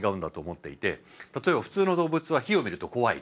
例えば普通の動物は火を見ると怖い。